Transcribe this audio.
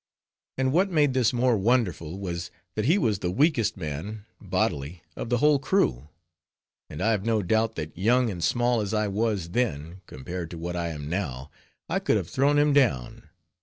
And what made this more wonderful was, that he was the weakest man, bodily, of the whole crew; and I have no doubt that young and small as I was then, compared to what I am now, I could have thrown him down.